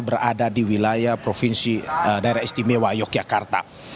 berada di wilayah provinsi daerah istimewa yogyakarta